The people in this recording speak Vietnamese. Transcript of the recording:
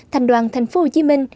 thành đoàn thành phố hồ chí minh